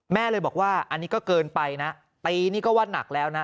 แม่เลยบอกว่าอันนี้ก็เกินไปนะตีนี่ก็ว่านักแล้วนะ